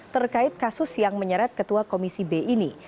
terkait kasus yang menyeret ketua komisi b ini